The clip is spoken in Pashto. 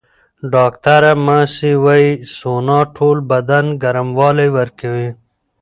ډاکټره ماسي وايي، سونا ټول بدن ګرموالی ورکوي.